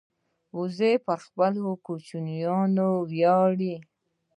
وزې پر خپلو کوچنیانو ویاړي